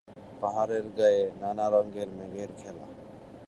পাহাড়ের গায়ে নানা রঙের মেঘের খেলা।